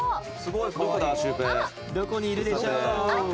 どこにいるでしょう？